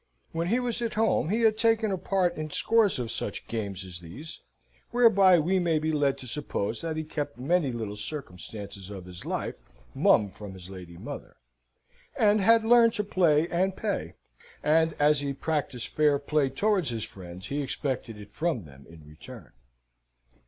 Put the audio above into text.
When he was at home he had taken a part in scores of such games as these (whereby we may be led to suppose that he kept many little circumstances of his life mum from his lady mother), and had learned to play and pay. And as he practised fair play towards his friends he expected it from them in return.